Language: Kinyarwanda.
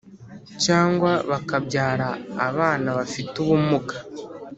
cyangwa bakabyara abana bafite ubumuga